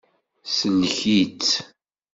Sellek-itt.